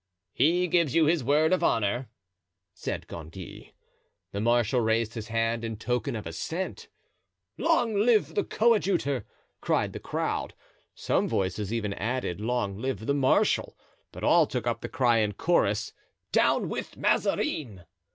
"He gives you his word of honor," said Gondy. The marshal raised his hand in token of assent. "Long live the coadjutor!" cried the crowd. Some voices even added: "Long live the marshal!" But all took up the cry in chorus: "Down with Mazarin!"